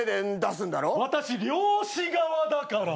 私漁師側だから！